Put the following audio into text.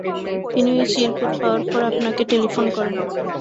তিনি ঐ চিরকুট পাওয়ার পর আপনাকে টেলিফোন করেন।